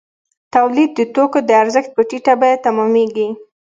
تولید د توکو د ارزښت په ټیټه بیه تمامېږي